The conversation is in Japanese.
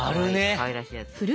かわいらしいやつ。